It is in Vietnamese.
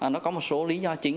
nó có một số lý do chính